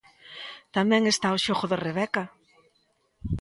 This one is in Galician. Tamén está o xogo de Rebecca.